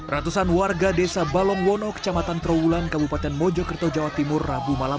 ratusan warga desa balongwono kecamatan trawulan kabupaten mojokerto jawa timur rabu malam